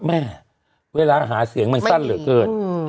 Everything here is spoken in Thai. เวลาหาเสียงมันสั้นเหลือเกิน